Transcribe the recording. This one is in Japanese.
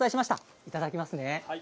いただきますね。